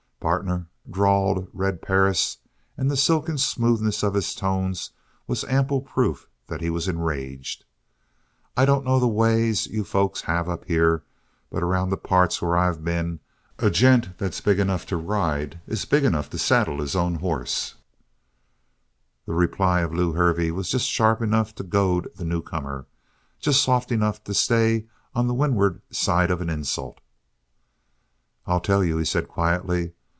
"Partner," drawled Red Perris, and the silken smoothness of his tones was ample proof that he was enraged. "I don't know the ways you folks have up here, but around the parts where I've been, a gent that's big enough to ride is big enough to saddle his own hoss." The reply of Lew Hervey was just sharp enough to goad the newcomer just soft enough to stay on the windward side of an insult. "I'll tell you," he said quietly.